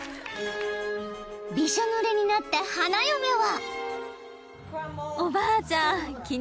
［びしょぬれになった花嫁は］